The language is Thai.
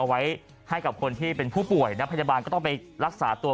ไว้ให้กับคนที่เป็นผู้ป่วยนะพยาบาลก็ต้องไปรักษาตัว